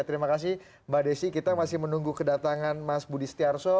terima kasih mbak desi kita masih menunggu kedatangan mas budi setiarso